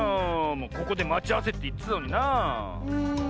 ここでまちあわせっていってたのになあ。